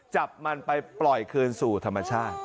จับมันไปปล่อยคืนสู่ธรรมชาติ